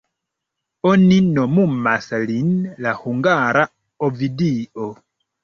Oni nomumas lin "la hungara Ovidio".